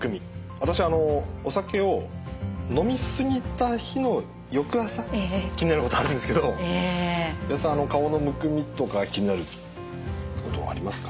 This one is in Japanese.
私あのお酒を飲み過ぎた日の翌朝気になることあるんですけど岩田さん顔のむくみとか気になることありますか？